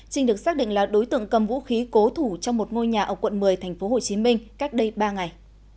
trinh được xác định là đối tượng cầm vũ khí cố thủ trong một ngôi nhà ở quận một mươi tp hcm cách đây ba ngày